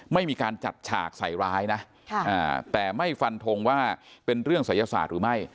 ไม่มีการจัดฉากใส่ร้ายนะแต่ไม่ฟันทงว่าเป็นเรื่องศัยศาสตร์หรือไม่